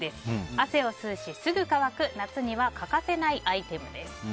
汗を吸うし、すぐ乾く夏には欠かせないアイテムです。